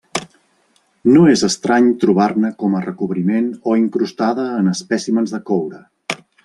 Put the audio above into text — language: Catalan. No és estrany trobar-ne com a recobriment o incrustada en espècimens de coure.